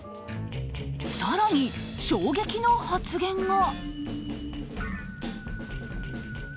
更に、衝撃の発言が。